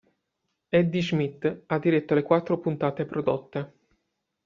Eddie Schmidt ha diretto le quattro puntate prodotte.